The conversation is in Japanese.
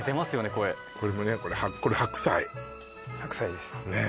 声これもねこれ白菜・白菜ですね